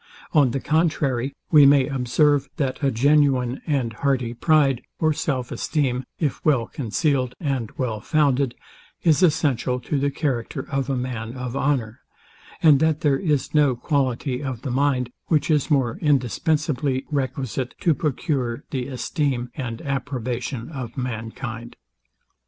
On the contrary, we may observe, that a genuine and hearty pride, or self esteem, if well concealed and well founded, is essential to the character of a man of honour, and that there is no quality of the mind, which is more indispensibly requisite to procure the esteem and approbation of mankind.